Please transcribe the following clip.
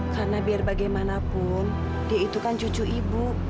karena biar bagaimanapun dia itu kan cucu ibu